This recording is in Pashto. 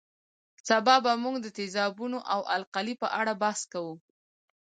سبا به موږ د تیزابونو او القلي په اړه بحث کوو